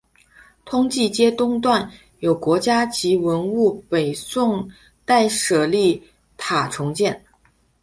通济街东段有国家级文物北宋代舍利塔重建。